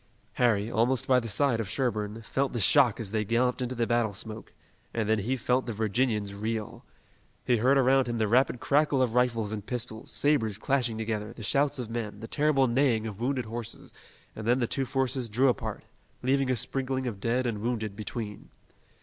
Harry, almost by the side of Sherburne, felt the shock as they galloped into the battle smoke, and then he felt the Virginians reel. He heard around him the rapid crackle of rifles and pistols, sabers clashing together, the shouts of men, the terrible neighing of wounded horses, and then the two forces drew apart, leaving a sprinkling of dead and wounded between.